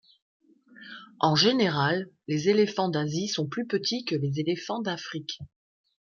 En général, les éléphants d’Asie sont plus petits que les éléphants d’Afrique.